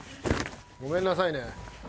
ごめんなさいね。